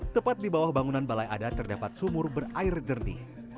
tepat di bawah bangunan balai adat terdapat sumur berair jernih